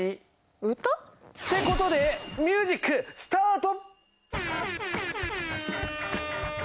歌？ってことでミュージックスタート！